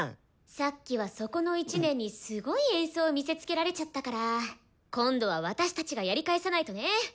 さっきはそこの１年にすごい演奏見せつけられちゃったから今度は私たちがやり返さないとね！